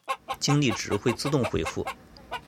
精力值会自动恢复。